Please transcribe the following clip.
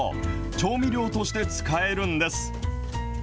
調味料として使えるんです。